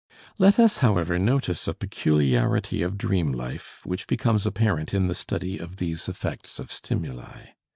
Let us, however, notice a peculiarity of dream life which becomes apparent in the study of these effects of stimuli.